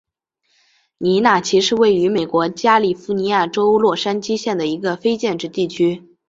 尼纳奇是位于美国加利福尼亚州洛杉矶县的一个非建制地区。